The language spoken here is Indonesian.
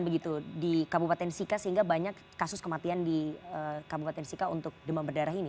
begitu di kabupaten sika sehingga banyak kasus kematian di kabupaten sika untuk demam berdarah ini